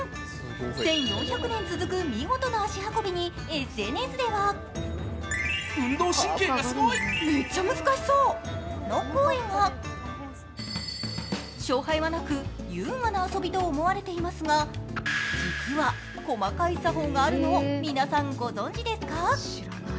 １４００年続く見事な足運びにＳＮＳでは勝敗はなく、優雅な遊びと思われていますが実は細かい作法があるのを皆さんご存じですか。